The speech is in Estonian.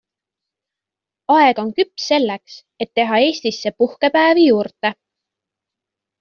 Aeg on küps selleks, et teha Eestisse puhkepäevi juurde.